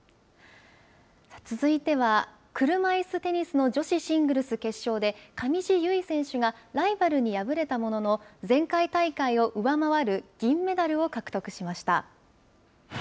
続いては車いすテニスの女子シングルス決勝で、上地結衣選手がライバルに敗れたものの、前回大会を上回る銀メダルを獲得しました。